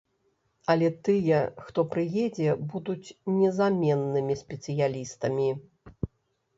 Але тыя, хто прыедзе, будуць незаменнымі спецыялістамі.